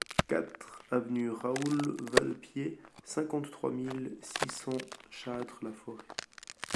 quatre avenue Raoul Vadepied, cinquante-trois mille six cents Châtres-la-Forêt